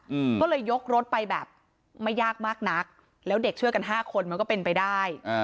อืมก็เลยยกรถไปแบบไม่ยากมากนักแล้วเด็กเชื่อกันห้าคนมันก็เป็นไปได้อ่า